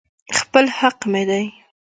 خپل حق مې دى.